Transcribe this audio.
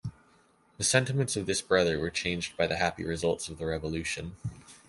The sentiments of this brother were changed by the happy results of the revolution.